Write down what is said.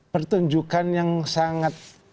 pertunjukan yang sangat